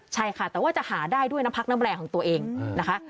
ใช่ค่ะแต่ว่าจะหาได้ด้วยน้ำพักน้ำแรงของตัวเองนะคะ